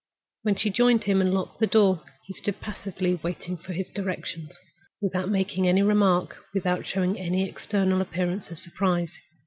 When she joined him and locked the door, he stood passively waiting for his directions, without making any remark, without showing any external appearance of surprise.